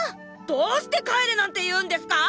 どーして帰れなんて言うんですか